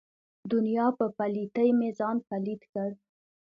دنیا په پلیتۍ مې ځان پلیت کړ.